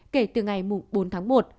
kể từ ngày bốn tháng một